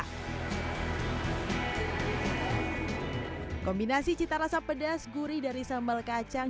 kombinasi cita rasa pedas gurih dari sambal kacang